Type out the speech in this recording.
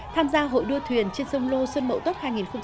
tham gia hội đua thuyền trên sông lô xuân mậu tuất hai nghìn một mươi tám